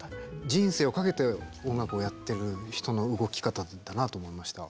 人生を懸けて音楽をやってる人の動き方なんだなと思いました。